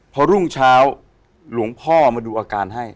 พอรุ่งเช้าหลวงพ่อมาดูอาการให้